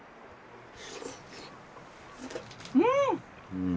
うん！